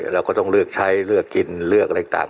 เราก็ต้องเลือกใช้เลือกกินเลือกอะไรต่าง